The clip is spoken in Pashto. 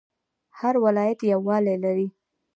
هر ولایت یو والی لري